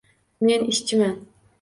Men ishchiman.